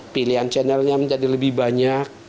pilihan channelnya menjadi lebih banyak